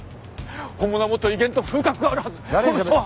本物はもっと威厳と風格があるはず。